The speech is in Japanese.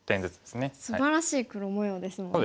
すばらしい黒模様ですもんね。